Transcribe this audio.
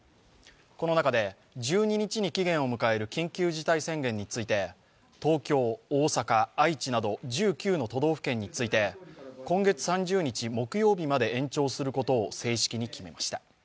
この中で、１２日に期限を迎える緊急事態宣言について東京、大阪、愛知など１９の都道府県について今月３０日、木曜日まで延長することを正式に決めました。